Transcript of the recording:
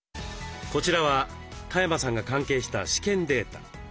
こちらは多山さんが関係した試験データ。